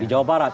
di jawa barat